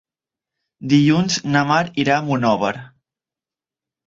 Dilluns na Mar irà a Monòver.